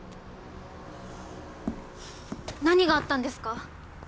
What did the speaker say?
何があったんですか？